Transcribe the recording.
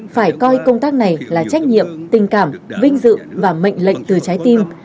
phải coi công tác này là trách nhiệm tình cảm vinh dự và mệnh lệnh từ trái tim